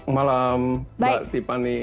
malam mbak tiffany